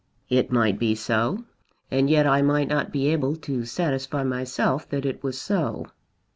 "It might be so, and yet I might not be able to satisfy myself that it was so.